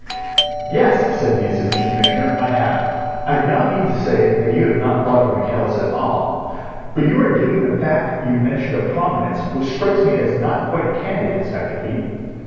"Yes," said the Assistant Commissioner; "I have. I do not mean to say that you have not thought of Michaelis at all. But you are giving the fact you've mentioned a prominence which strikes me as not quite candid, Inspector Heat.